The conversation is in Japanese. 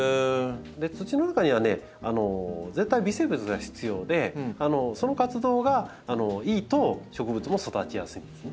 土の中にはね絶対微生物が必要でその活動がいいと植物も育ちやすいんですね。